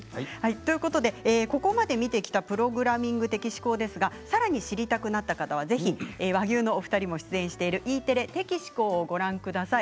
ここまで見てきたプログラミング的思考ですがさらに知りたくなった方はぜひ和牛のお二人も出演しているＥテレの「テキシコー」をご覧ください。